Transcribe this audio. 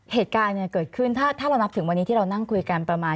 เหตุการณ์เนี่ยเกิดขึ้นถ้าเรานับถึงวันนี้ที่เรานั่งคุยกันประมาณ